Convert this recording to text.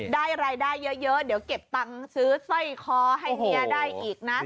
ได้รายได้เยอะเดี๋ยวเก็บตังค์ซื้อสร้อยคอให้เฮียได้อีกนะ